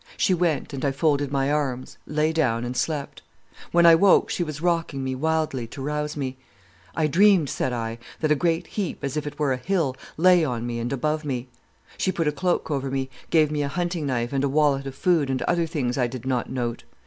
"She went, and I folded my arms, lay down and slept. "When I woke, she was rocking me wildly to rouse me. "'I dreamed,' said I, 'that a great heap, as if it were a hill, lay on me and above me.' "She put a cloak over me, gave me a hunting knife and a wallet of food, and other things I did not note.